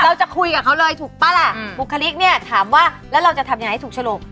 เราจะคุยกับเขาเลยถูกป่ะล่ะบุคลิกเนี่ยถามว่าแล้วเราจะทำยังไงให้ถูกฉลก